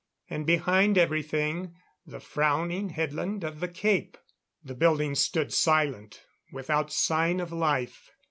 And behind everything, the frowning headland of the Cape. The buildings stood silent, without sign of life.